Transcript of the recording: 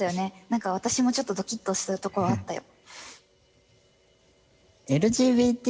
何か私もちょっとどきっとしたとこはあったよ。